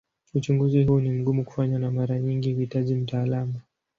Uchunguzi huu ni mgumu kufanywa na mara nyingi huhitaji mtaalamu.